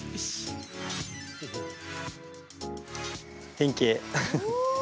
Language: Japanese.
変形。